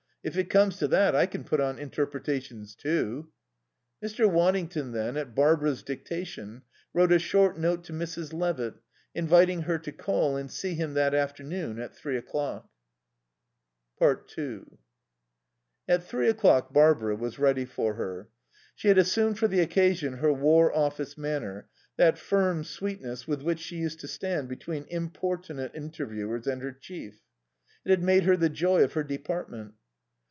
If it comes to that, I can put on interpretations too." Mr. Waddington then, at Barbara's dictation, wrote a short note to Mrs. Levitt inviting her to call and see him that afternoon at three o'clock. 2 At three o'clock Barbara was ready for her. She had assumed for the occasion her War Office manner, that firm sweetness with which she used to stand between importunate interviewers and her chief. It had made her the joy of her department.